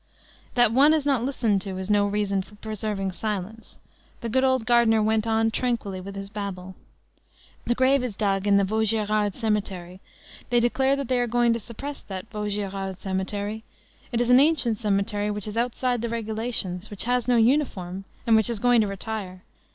That one is not listened to is no reason for preserving silence. The good old gardener went on tranquilly with his babble:— "The grave is dug in the Vaugirard cemetery. They declare that they are going to suppress that Vaugirard cemetery. It is an ancient cemetery which is outside the regulations, which has no uniform, and which is going to retire.